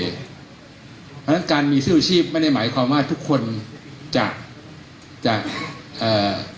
เพราะฉะนั้นการมีเสื้อชูชีพไม่ได้หมายความว่าทุกคนจะจะจากจะเอ่อ